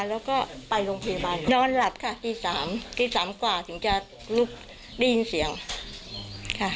แล้วก็ไปโรงพยาบาลนอนหลับค่ะตีสามตีสามกว่าถึงจะลุกได้ยินเสียงค่ะ